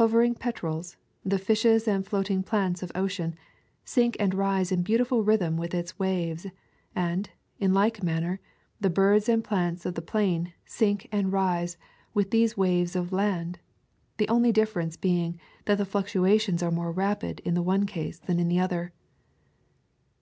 Hovering petrels, the fishes and floating plants of ocean, sink and rise in beautiful rhythm with its waves; and, in like manner, the birds and plants of the plain sink and rise with these waves of land, the only dif ference being that the fluctuations are more rapid in the one case than in the other.